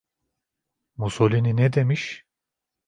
Mussolini ne demiş?